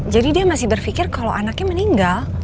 jadi dia masih berpikir kalau anaknya meninggal